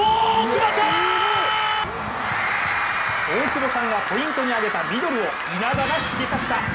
大久保さんがポイントにあげたミドルを稲田が突き刺した。